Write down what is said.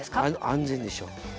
安全でしょう。